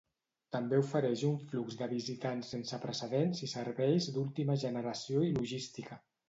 També ofereix un flux de visitants sense precedents i serveis d'última generació i logística.